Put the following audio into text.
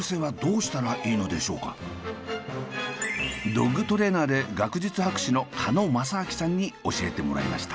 ドッグトレーナーで学術博士の鹿野正顕さんに教えてもらいました。